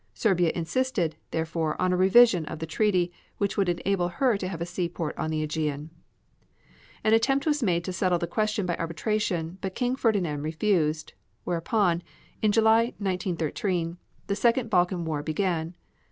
Serbia insisted, therefore, on a revision of the treaty, which would enable her to have a seaport on the AEgean. An attempt was made to settle the question by arbitration, but King Ferdinand refused, whereupon, in July, 1913, the Second Balkan War began.